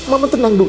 mama tenang duk